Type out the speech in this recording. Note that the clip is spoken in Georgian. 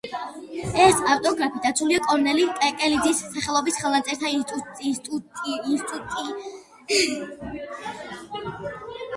ეს ავტოგრაფი დაცულია კორნელი კეკელიძის სახელობის ხელნაწერთა ინსტიტუტში.